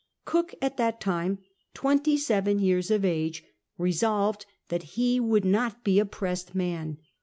Cook, at that time twenty seven years of age, resolved that he would not be a pressed man.